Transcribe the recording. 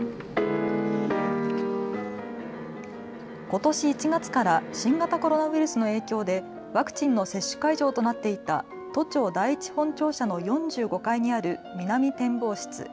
ことし１月からから新型コロナウイルスの影響でワクチンの接種会場となっていた都庁第一本庁舎の４５階にある南展望室。